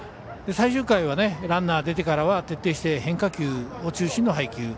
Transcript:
最終回は、ランナー出てからは徹底して変化球を中心の配球。